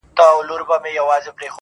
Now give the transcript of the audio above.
پر راتللو د زمري کورته پښېمان سو -